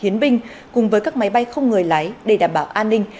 chiến binh cùng với các máy bay không người lái để đảm bảo an ninh